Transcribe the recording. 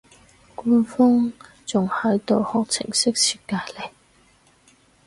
官方仲喺度學程式設計呢